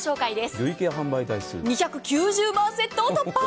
累計販売台数２９０万セットを突破。